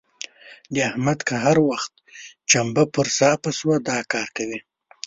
د احمد که هر وخت چمبه پر صافه سوه؛ دا کار کوي.